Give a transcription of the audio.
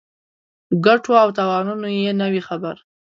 په ګټو او تاوانونو یې نه وي خبر.